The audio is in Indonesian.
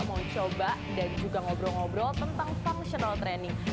mau coba dan juga ngobrol ngobrol tentang functional training